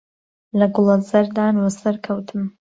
له گوڵهزهردان وه سهر کهوتم